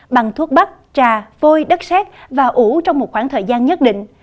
bằng thuốc bắp trà vôi đất xét và ủ trong một khoảng thời gian nhất định